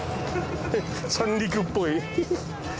三陸っぽい。